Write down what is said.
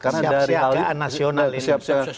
siap siap keanggapan nasional itu